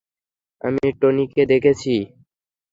আমি টনিকে দেখছি।